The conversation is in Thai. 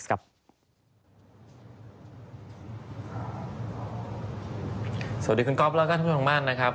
สวัสดีคุณกอล์ฟและทุกท่านผู้ชมทางม่านนะครับ